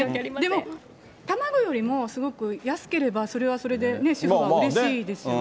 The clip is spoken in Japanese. でも卵よりすごく安ければ、それはそれで主婦はうれしいです